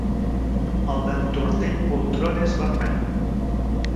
El d'en Tortell Poltrona és vermell.